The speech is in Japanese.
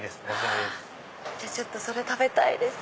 じゃあそれ食べたいです。